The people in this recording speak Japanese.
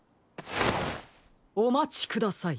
おまちください。